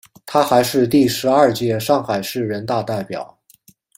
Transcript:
她还是第十二届上海市人大代表。